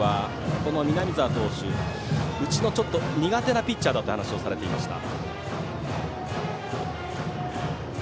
この南澤投手はうちの苦手なピッチャーだと話されていました。